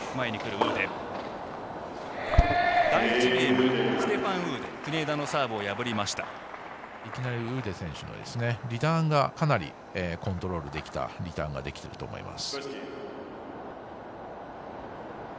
ウーデ選手リターンがかなりコントロールできたリターンができていると思います。